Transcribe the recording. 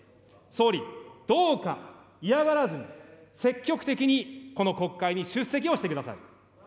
総理、どうか嫌がらずに、積極的にこの国会に出席をしてください。